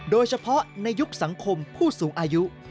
โดยเฉพาะในยุคสังคมผู้สูงอายุ